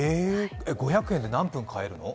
５００円で何分買えるの？